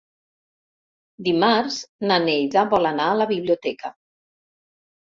Dimarts na Neida vol anar a la biblioteca.